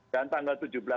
dan tanggal tujuh belas